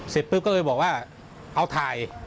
เสร็จปุ๊บก็เลยบอกว่าเอาถ่าย